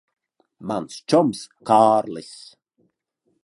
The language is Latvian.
Mans čoms Kārlis.